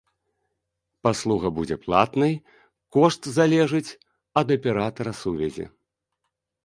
Паслуга будзе платнай, кошт залежыць ад аператара сувязі.